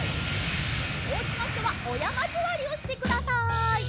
おうちのひとはおやまずわりをしてください。